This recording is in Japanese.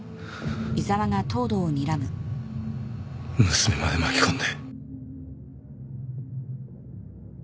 娘まで巻き込んで。